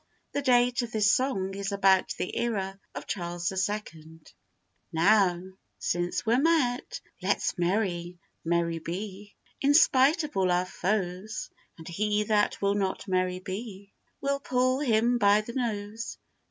The date of this song is about the era of Charles II.] NOW, since we're met, let's merry, merry be, In spite of all our foes; And he that will not merry be, We'll pull him by the nose.